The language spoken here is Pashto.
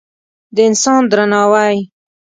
د انسان درناوی